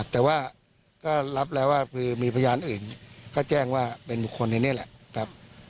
แต่รับแล้วมีพยานอื่นแจ้งว่าเป็นคนนี่แหละ